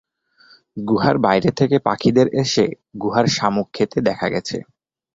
গুহার বাইরে থেকে পাখিদের এসে গুহার শামুক খেতে দেখা গেছে।